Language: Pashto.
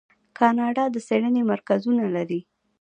کاناډا د څیړنې مرکزونه لري.